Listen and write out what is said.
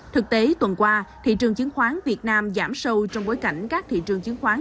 thực tế tuần qua thị trường chứng khoán việt nam giảm sâu trong bối cảnh các thị trường chứng khoán